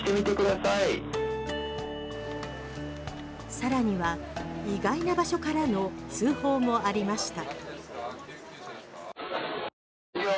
さらには意外な場所からの通報もありました。